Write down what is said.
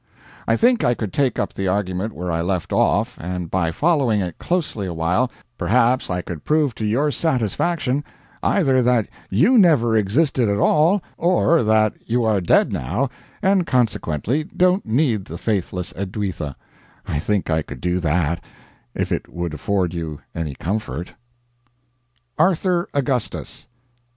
I think I could take up the argument where I left off, and by following it closely awhile, perhaps I could prove to your satisfaction, either that you never existed at all, or that you are dead now, and consequently don't need the faithless Edwitha I think I could do that, if it would afford you any comfort. "ARTHUR AUGUSTUS."